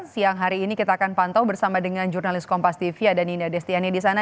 siang hari ini kita akan pantau bersama dengan jurnalis kompas divia dan nina destiani di sana